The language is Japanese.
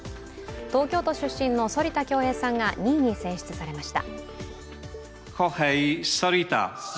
東京都出身の反田恭平さんが２位に選出されました。